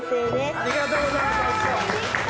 ありがとうございますおいしそ！